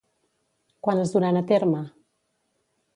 Quan es duran a terme?